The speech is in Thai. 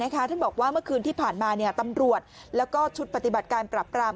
ท่านบอกว่าเมื่อคืนที่ผ่านมาตำรวจแล้วก็ชุดปฏิบัติการปรับปราม